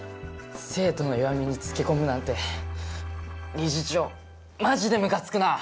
生徒の弱みにつけ込むなんて理事長マジでムカつくな！